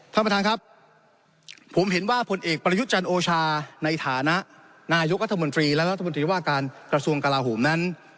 ท่านประธานครับผมเห็นว่าผลเอกประยุทธ์จันทร์โอชาในฐานะนายกรัฐมนตรีและรัฐมนตรีว่าการกระทรวงกลาโหมนั้น